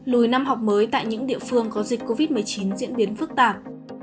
lùi năm học mới tại những địa phương có dịch covid một mươi chín diễn biến phức tạp